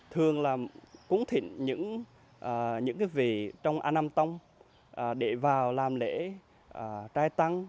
thường là cúng thịnh những vị trong an nam tong để vào làm lễ trai tăng